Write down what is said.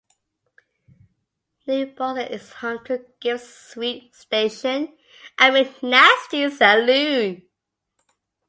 New Boston is home to Gibbs Sweet Station and Mc Nasty's Saloon.